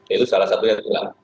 itu salah satu yang bilang